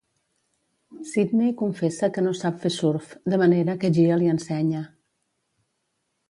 Sydney confessa que no sap fer surf, de manera que Gia li ensenya.